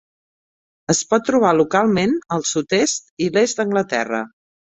Es pot trobar localment al sud-est i l'est d'Anglaterra.